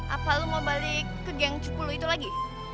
apa lo mau balik ke geng cupu lo itu lagi